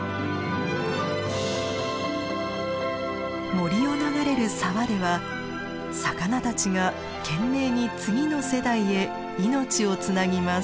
森を流れる沢では魚たちが懸命に次の世代へ命をつなぎます。